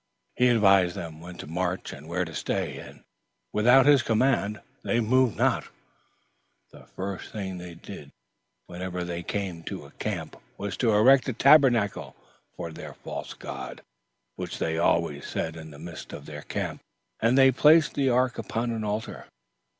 He advised them when to march and where to stay, and, without his command, they moved not. The first thing they did wherever they came, was to erect a tabernacle for their false god, which they always set in the midst of their camp, and they placed the ark upon an altar.